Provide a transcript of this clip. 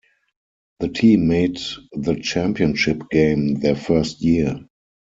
The team made the championship game their first year.